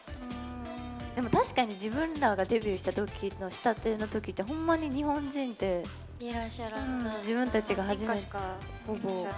でも、確かに自分らがデビューしたてのときってほんまに日本人って自分たちが初めてほぼ。